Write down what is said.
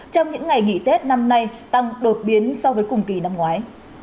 trong những ngày nghỉ tết năm nay tăng đột biến so với cùng kỳ năm ngoái